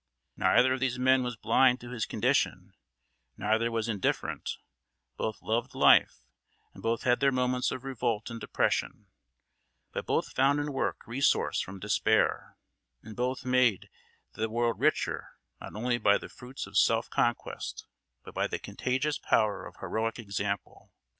Neither of these men was blind to his condition; neither was indifferent; both loved life and both had their moments of revolt and depression; but both found in work resource from despair, and both made the world richer not only by the fruits of self conquest, but by the contagious power of heroic example.